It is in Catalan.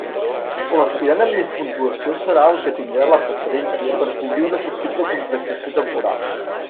L'aspirant amb més puntuació serà el que tindrà la preferència per cobrir una possible contractació temporal.